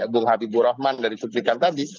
bung habibur rahman dari cuplikan tadi